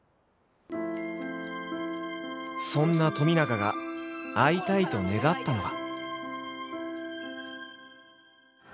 そんな冨永が会いたいと願ったのは。